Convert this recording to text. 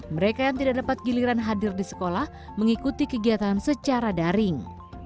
mereka yang tidak dapat giliran hadir di sekolah mengikuti kegiatan secara daring